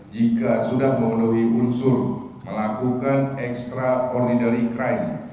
jika sudah memenuhi unsur melakukan extraordinary crime